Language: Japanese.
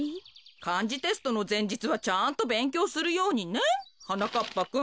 かんじテストのぜんじつはちゃんとべんきょうするようにねはなかっぱくん。